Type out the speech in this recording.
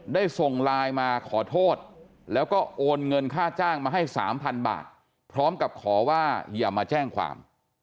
ได้ส่งไลน์มาขอโทษแล้วก็โอนเงินค่าจ้างมาให้๓๐๐๐บาทพร้อมกับขอว่าอย่ามาแจ้งความ